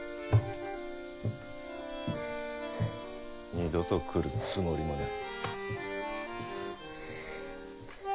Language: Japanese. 二度と来るつもりもない。